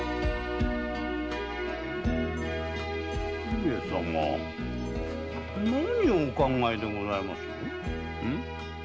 上様何をお考えでございます？